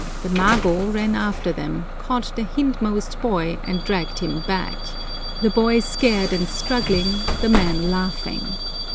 The mago ran after them, caught the hindmost boy, and dragged him back—the boy scared and struggling, the man laughing.